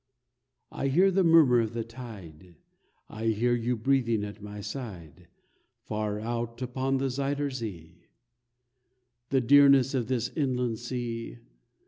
I hear the murmur of the tide, I hear you breathing at my side, Far out upon the Zuyder Zee. The drearness of this inland sea!